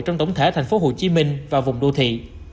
trong tổng thể tp hcm và vùng đô thị